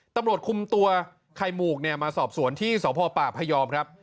ตำรวจคุมตัวไขมูกเนี่ยมาสอบสวนที่สพพยครับ